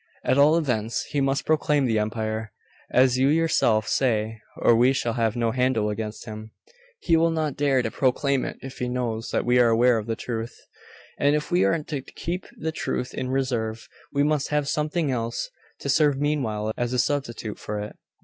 At all events, he must proclaim the empire, as you yourself say, or we shall have no handle against him. He will not dare to proclaim it if he knows that we are aware of the truth. And if we are to keep the truth in reserve, we must have something else to serve meanwhile as a substitute for it.